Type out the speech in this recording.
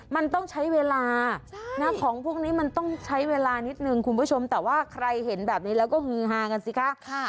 มันต้องใช้เวลาของพวกนี้มันต้องใช้เวลานิดหนึ่งแต่ว่าใครเห็นแบบนี้ก็คือฮากันสิครับ